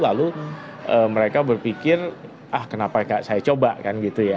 lalu mereka berpikir ah kenapa saya coba kan gitu ya